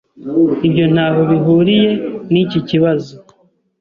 Ibyo ntaho bihuriye niki kibazo.